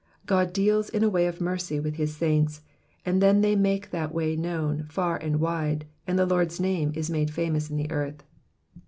God deals in a way of mercy with his saints, and then they make that way known far and wide, and the Lord's name is made famous in the earth.